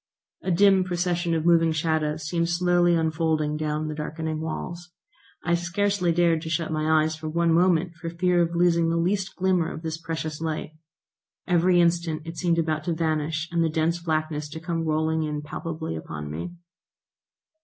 A dim procession of moving shadows seemed slowly unfolding down the darkening walls. I scarcely dared to shut my eyes for one moment, for fear of losing the least glimmer of this precious light. Every instant it seemed about to vanish and the dense blackness to come rolling in palpably upon me.